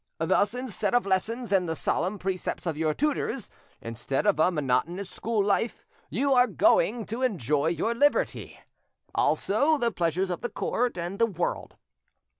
Thus, instead of lessons and the solemn precepts of your tutors, instead of a monotonous school life, you are going to enjoy your liberty; also the pleasures of the court and the world.